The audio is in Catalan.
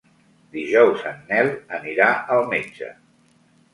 Dijous en Nel anirà al metge.